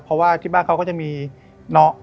เพราะว่าที่บ้านเขาก็จะมีเนาะ